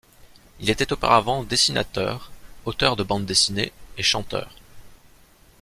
Il était auparavant dessinateur, auteur de bandes dessinées et chanteur.